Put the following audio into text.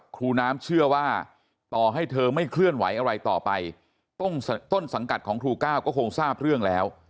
ครูน้ำเชื่อว่าต่อให้เธอไม่เคลื่อนไหวอะไรต่อไปต้นสังกัดของครูก้าวก็คงทราบเรื่องแล้ว